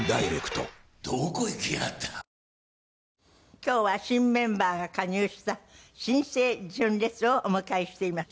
今日は新メンバーが加入した新生純烈をお迎えしています。